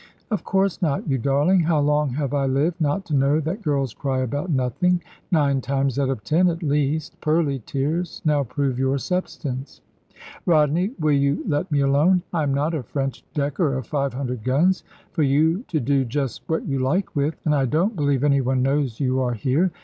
"Of course not, you darling. How long have I lived, not to know that girls cry about nothing? nine times out of ten at least. Pearly tears, now prove your substance." "Rodney, will you let me alone? I am not a French decker of 500 guns, for you to do just what you like with. And I don't believe any one knows you are here.